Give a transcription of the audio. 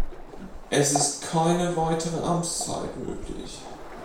Es ist keine weitere Amtszeit möglich.